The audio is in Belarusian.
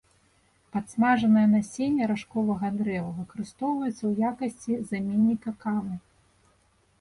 Падсмажанае насенне ражковага дрэва выкарыстоўваецца ў якасці заменніка кавы.